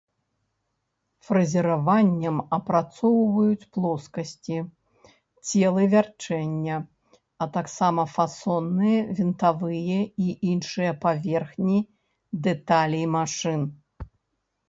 Фрэзераваннем апрацоўваюць плоскасці, целы вярчэння, а таксама фасонныя, вінтавыя і іншыя паверхні дэталей машын.